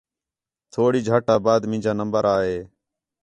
تھوڑی جھٹ آ بعد مینجا نمبر آ ہے